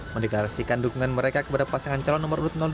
mendeklarasikan dukungan mereka kepada pasangan calon nomor urut dua